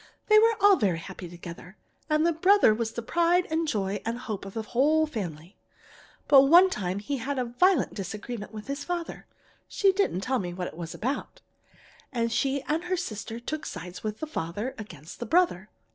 They were all very happy together, and the brother was the pride and joy and hope of the whole family. But one time he had a violent disagreement with his father (she didn't tell me what it was about), and she and her sister took sides with her father against the brother.